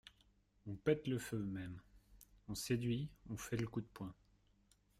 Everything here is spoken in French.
On pète le feu, même. On séduit, on fait le coup de poing